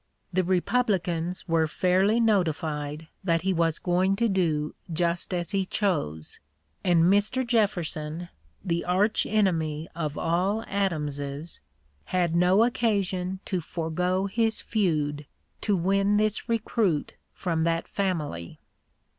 The Republicans were fairly notified that he was going to do just as he chose; and Mr. Jefferson, the arch enemy of all Adamses, had no occasion to forego his feud to win this recruit from that family.